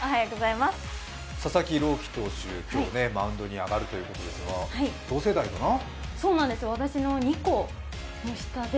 佐々木朗希投手、今日マウンドに上がるということですが、私の２個下で。